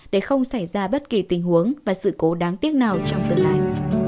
để không xảy ra bất kỳ tình huống và sự cố đáng tiếc nào trong tương lai